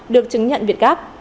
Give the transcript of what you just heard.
được chứng nhận việt gáp